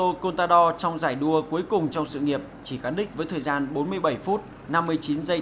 alberto contador trong giải đua cuối cùng trong sự nghiệp chỉ gắn đích với thời gian bốn mươi bảy phút năm mươi chín giây tám mươi hai